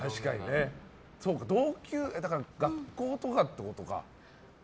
そうか、学校とかってことか。